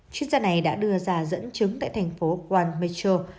chuyên gia này đã đưa ra dẫn chứng tại thành phố guan metro